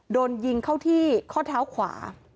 โดนยิงเข้าที่ข้อเท้าขวา